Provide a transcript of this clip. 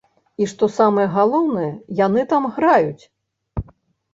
І што самае галоўнае, яны там граюць!